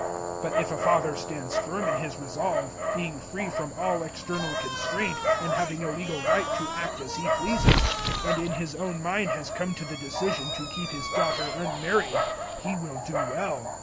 007:037 But if a father stands firm in his resolve, being free from all external constraint and having a legal right to act as he pleases, and in his own mind has come to the decision to keep his daughter unmarried, he will do well.